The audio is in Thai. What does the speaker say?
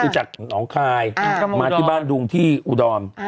จากหนองคลายมาที่บ้านดุงที่อูดอน